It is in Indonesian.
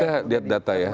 kita lihat data ya